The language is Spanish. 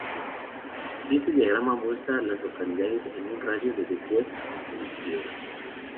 El siguiente diagrama muestra a las localidades en un radio de de West Smithfield.